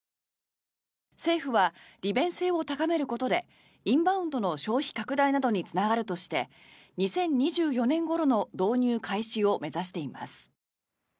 政府は利便性を高めることでインバウンドの消費拡大などにつながるとして２０２４年ごろの導入開始を目指しています。